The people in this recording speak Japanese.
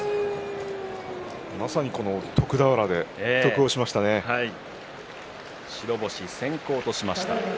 まさに徳俵で白星先行としました。